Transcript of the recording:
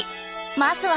まずは。